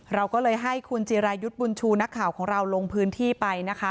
เราก็เลยให้คุณจิรายุทธ์บุญชูนักข่าวของเราลงพื้นที่ไปนะคะ